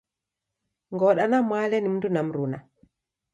Ngoda na Mwale ni mundu na mruna.